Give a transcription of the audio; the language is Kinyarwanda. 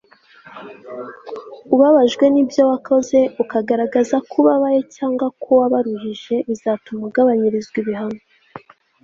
ubabajwe n'ibyo wakoze ukagaragaza ko ubabaye cyangwa ko wabaruhije bizatuma ugabanyirizwa ibihano